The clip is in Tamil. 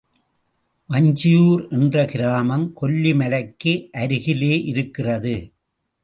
வஞ்சியூர் என்ற கிராமம் கொல்லிமலைக்கு அருகிலே இருக்கிறது.